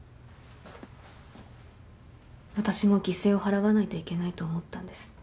私も犠牲を払わないといけないと思ったんです。